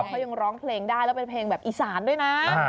เขายังร้องเพลงได้แล้วเป็นเพลงแบบอีสานด้วยนะ